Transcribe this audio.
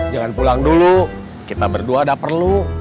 jangan pulang dulu kita berdua udah perlu